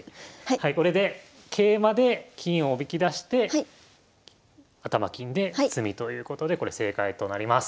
はいこれで桂馬で金をおびき出して頭金で詰みということでこれ正解となります。